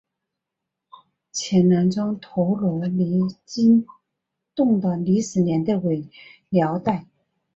前南庄陀罗尼经幢的历史年代为辽代。